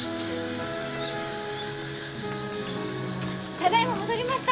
ただいま戻りました！